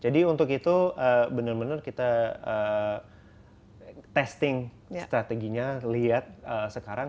jadi untuk itu benar benar kita testing strateginya lihat sekarang